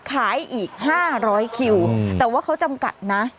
อีก๕๐๐คิวแต่ว่าเขาจำกัดนะ